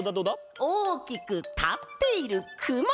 おおきくたっているくま！